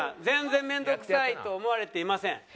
全然面倒くさいと思われていません。